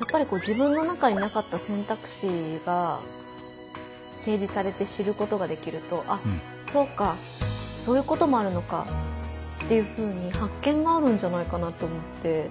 やっぱり自分の中になかった選択肢が提示されて知ることができるとあっそうかそういうこともあるのかっていうふうに発見があるんじゃないかなと思って。